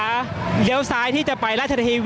ก็น่าจะมีการเปิดทางให้รถพยาบาลเคลื่อนต่อไปนะครับ